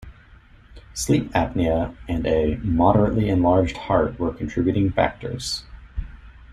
Sleep apnea and a "moderately enlarged heart" were contributing factors.